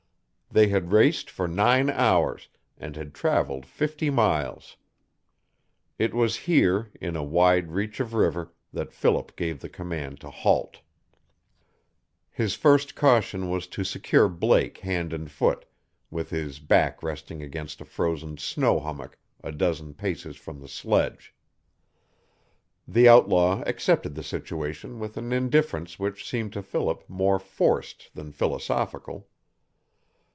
They had raced for nine hours, and had traveled fifty miles. It was here, in a wide reach of river, that Philip gave the command to halt. His first caution was to secure Blake hand and foot, with his back resting against a frozen snow hummock a dozen paces from the sledge. The outlaw accepted the situation with an indifference which seemed to Philip more forced than philosophical.